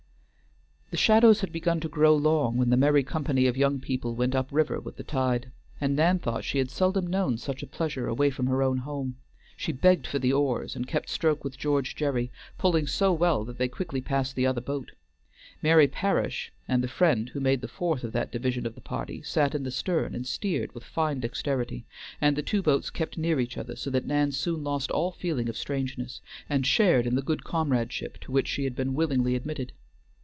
The shadows had begun to grow long when the merry company of young people went up river with the tide, and Nan thought she had seldom known such a pleasure away from her own home. She begged for the oars, and kept stroke with George Gerry, pulling so well that they quickly passed the other boat. Mary Parish and the friend who made the fourth of that division of the party sat in the stern and steered with fine dexterity, and the two boats kept near each other, so that Nan soon lost all feeling of strangeness, and shared in the good comradeship to which she had been willingly admitted.